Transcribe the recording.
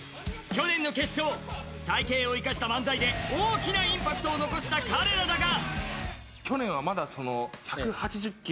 去年の決勝、体型を生かした漫才で大きなインパクトを残した彼らだが。